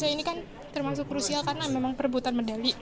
ini kan termasuk krusial karena memang perebutan medali